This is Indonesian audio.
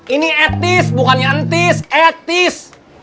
ini etis bukannya etis etis